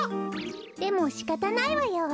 でもしかたないわよ。